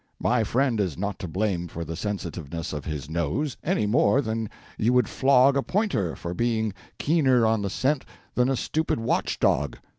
My friend is not to blame for the sensitiveness of his nose, any more than you would flog a pointer for being keener on the scent than a stupid watch dog.